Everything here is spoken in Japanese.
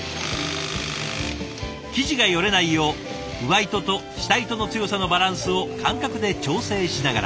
生地がよれないよう上糸と下糸の強さのバランスを感覚で調整しながら。